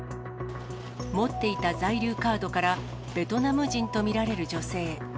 持っていた在留カードから、ベトナム人と見られる女性。